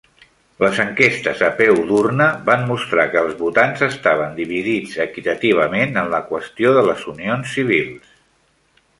Les enquestes a peu d'urna van mostrar que els votants estaven dividits equitativament en la qüestió de les unions civils.